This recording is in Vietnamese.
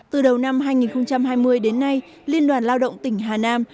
từ đầu năm hai nghìn hai mươi đến nay liên đoàn lao động tỉnh hà nam